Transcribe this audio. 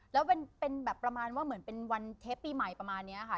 แล้วเป็นแบบประมาณว่าเหมือนเป็นวันเทปปีใหม่ประมาณนี้ค่ะ